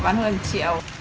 bán hơn một triệu